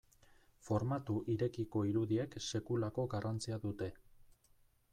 Formatu irekiko irudiek sekulako garrantzia dute.